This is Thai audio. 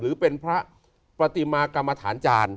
หรือเป็นพระปฏิมากรรมฐานจาน